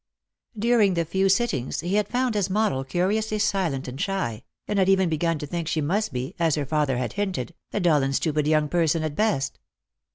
During the few sittings he had found his model curiously silent and shy, and had even begun to think she must be, as her father had hinted, a dull and stupid young person at best.